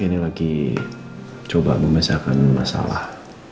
ini lagi coba membesarkan masalah